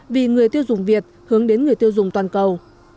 vì người tiêu dùng việt hướng đến người tiêu dùng toàn cầu